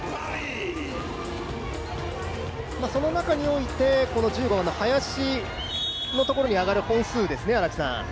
その中においてこの１５番の林のところに上がる本数ですね。